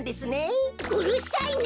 うるさいな！